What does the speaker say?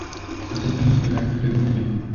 Aceasta nu este o reacție previzibilă.